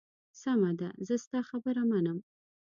سمه ده، زه ستا خبره منم.